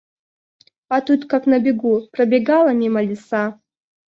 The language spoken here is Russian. А тут, как на беду, пробегала мимо лиса.